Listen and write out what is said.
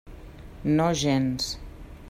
No gens.